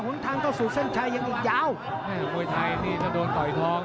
นทางเข้าสู่เส้นชัยยังอีกยาวแม่มวยไทยนี่ถ้าโดนต่อยทอง